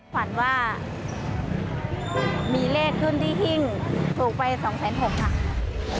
ฝันว่ามีเลขขึ้นที่หิ้งถูกไป๒๖๐๐ค่ะ